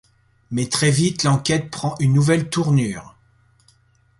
Mais, très vite, l'enquête prend une nouvelle tournure...